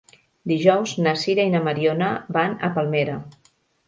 Dijous na Sira i na Mariona van a Palmera.